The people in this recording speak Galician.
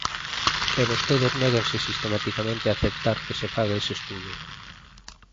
E vostedes néganse sistematicamente a aceptar que se faga ese estudo.